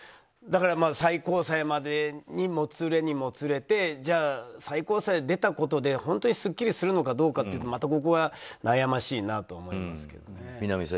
最高裁まで、もつれにもつれてじゃあ、最高裁出たことで本当にすっきりするのかというとまた僕は悩ましいなと思います。